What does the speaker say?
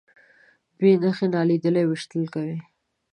بې نښې نالیدلي ویشتل کوي.